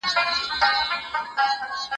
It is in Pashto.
هغه پوهان د سياست په اړه نوي کتابونه خپروي.